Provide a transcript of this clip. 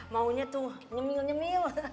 maunya tuh nyemil nyemil